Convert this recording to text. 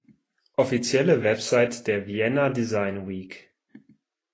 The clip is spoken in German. Offizielle Website der Vienna Design Week